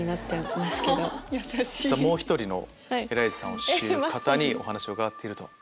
もう１人エライザさんを知る方にお話を伺っている。